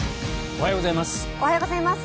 おはようございます。